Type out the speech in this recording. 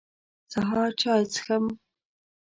سهار چاي څښم.